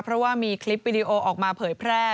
เพราะว่ามีคลิปวิดีโอออกมาเผยแพร่